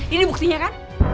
ini buktinya kan